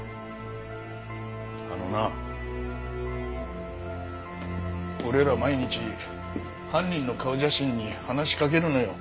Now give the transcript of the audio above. あのな俺らは毎日犯人の顔写真に話しかけるのよ。